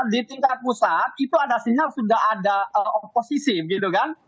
di tingkat pusat itu ada sinyal sudah ada oposisi gitu kan